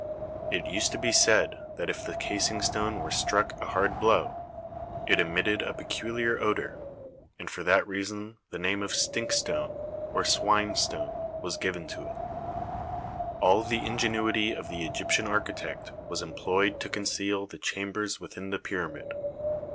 It used to be 14 THE SEyEN WONDERS said that if the casing stone were struck a hard blow, it emitted a peculiar odour, and for that reason the name of "stink stone," or "swine stone," was given to it. All the ingenuity of the Egyptian architect was employed to conceal the chambers within the pyramid.